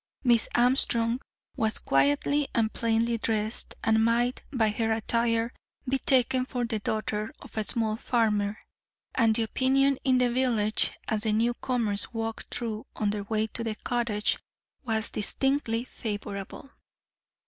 Miss Armstrong was quietly and plainly dressed, and might, by her attire, be taken for the daughter of a small farmer, and the opinion in the village, as the newcomers walked through on their way to the cottage, was distinctly favourable.